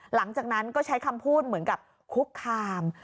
หลังจากนั้นก็ใช้คำพูดเหมือนกับคุกคาม